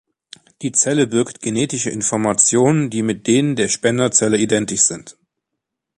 Die Zelle birgt genetische Informationen, die mit denen der Spenderzelle identisch sind.